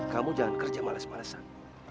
kamu jangan kerja malas malasan